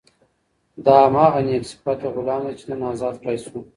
دا هماغه نېک صفته غلام دی چې نن ازاد کړای شو.